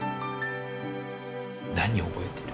何覚えてる？